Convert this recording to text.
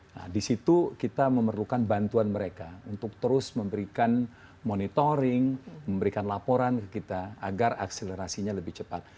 nah di situ kita memerlukan bantuan mereka untuk terus memberikan monitoring memberikan laporan ke kita agar akselerasinya lebih cepat